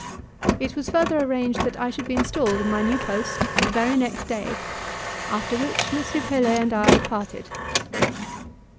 It was further arranged that I should be installed in my new post the very next day, after which M. Pelet and I parted.